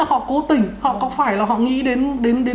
họ cố tình họ có phải là họ nghĩ đến